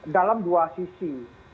dalam dua sisi